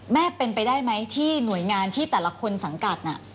แม่เป็นไปได้ไหมที่หน่วยงานที่แต่ละคนสังกัด